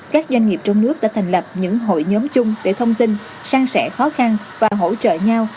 các doanh nghiệp trong nước đã thành lập những hội nhóm chung để thông tin sang sẻ khó khăn và hỗ trợ nhau